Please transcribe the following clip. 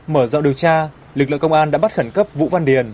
mở rộng điều tra lực lượng công an đã bắt khẩn cấp vũ văn điền